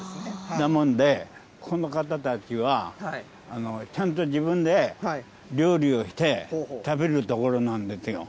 なもんで、この方たちは、ちゃんと自分で料理をして食べるところなんですよ。